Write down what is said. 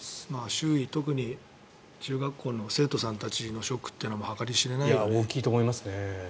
周囲、特に中学校の生徒さんたちのショックは計り知れないですよね。